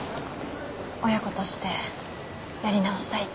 親子としてやり直したいって。